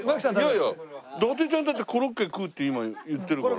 いやいや伊達ちゃんだってコロッケ食うって今言ってるから。